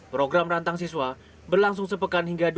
program rantang siswa berlangsung sepekan hingga dua puluh empat abis